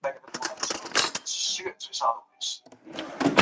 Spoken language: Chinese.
它们也被引入到格瑞纳丁群岛。